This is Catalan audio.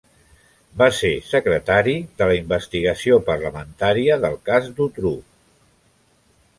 Va ser secretari de la investigació parlamentària del cas Dutroux.